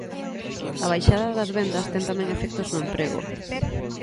A baixada das vendas ten tamén efectos no emprego.